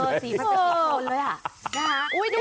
เออสีมันเป็นคนเลยอะ